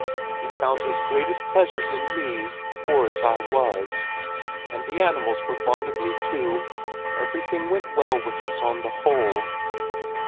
He found his greatest pleasures in me, poor as I was; and the animals were fond of me too. Everything went well with us on the whole."